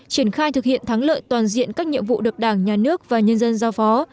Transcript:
triển khai thực hiện thắng lợi toàn diện các nhiệm vụ được đảng nhà nước và nhân dân giao phó